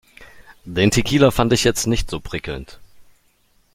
Den Tequila fand ich jetzt nicht so prickelnd.